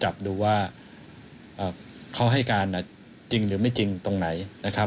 จับให้ดูว่าเขาให้การจริงหรือไม่จริงตรงไหน